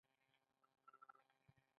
ایا زه به نور نه لویږم؟